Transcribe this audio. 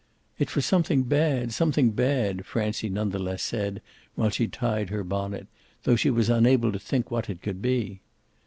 "It's for something bad something bad," Francie none the less said while she tied her bonnet, though she was unable to think what it could be.